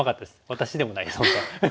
私でもないです本当は。